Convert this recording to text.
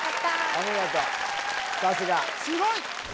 お見事さすがすごい！